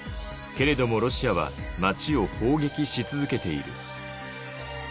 けれどもロシアは街を砲撃し続けている。